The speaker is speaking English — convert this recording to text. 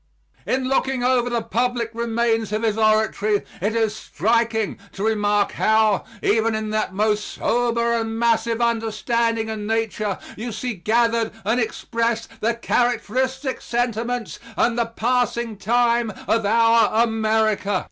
In looking over the public remains of his oratory, it is striking to remark how, even in that most sober and massive understanding and nature, you see gathered and expressed the characteristic sentiments and the passing time of our America.